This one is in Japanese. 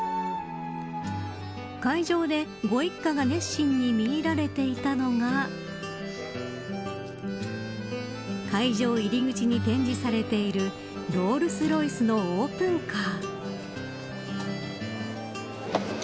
会場ご一家が熱心に見入られていたのが会場に入り口に展示されているロールスロイスのオープンカー。